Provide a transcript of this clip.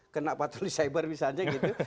kena patuh di cyber misalnya gitu